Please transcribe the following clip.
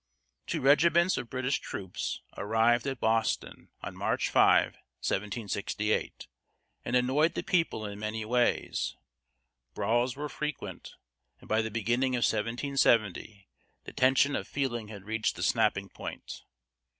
Two regiments of British troops arrived at Boston on March 5, 1768, and annoyed the people in many ways. Brawls were frequent, and by the beginning of 1770 the tension of feeling had reached the snapping point.